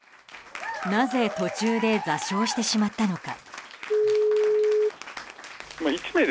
なぜ途中で座礁してしまったのか。